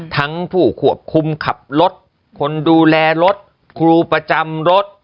ผู้ควบคุมขับรถคนดูแลรถครูประจำรถ